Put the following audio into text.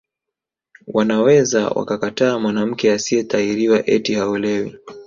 Wanaweza wakakataa mwanamke asiyetahiriwa eti haolewi